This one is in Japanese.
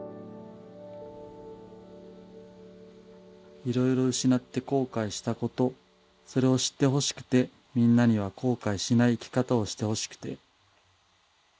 「いろいろ失って後悔したことそれを知って欲しくてみんなには後悔しない生き方をして欲しくて」。